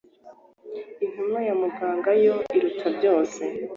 intumwa ya mungu yo iruta byose.